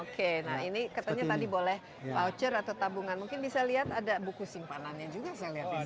oke nah ini katanya tadi boleh voucher atau tabungan mungkin bisa lihat ada buku simpanannya juga saya lihat di sini